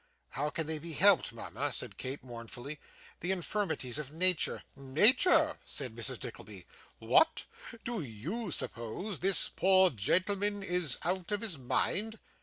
'How can they be helped, mama?' said Kate, mournfully. 'The infirmities of nature ' 'Nature!' said Mrs. Nickleby. 'What! Do YOU suppose this poor gentleman is out of his mind?